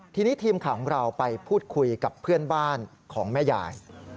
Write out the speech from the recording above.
ทีนี้ทีมข่าวของเราไปพูดคุยกับเพื่อนบ้านของแม่ยาย